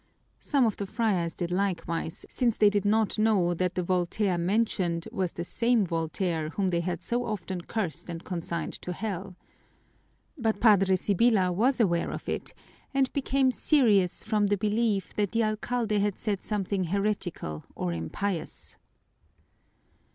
Some of the friars did likewise, since they did not know that the Voltaire mentioned was the same Voltaire whom they had so often cursed and consigned to hell. But Padre Sibyla was aware of it and became serious from the belief that the alcalde had said something heretical or impious.